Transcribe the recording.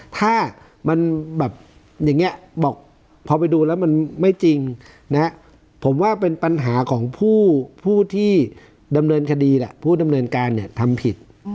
ถ้าพอไปดูแล้วมันไม่จริงผมว่าเป็นปัญหาของผู้ที่ดำเนินคดีผู้ดำเนินการทำผิด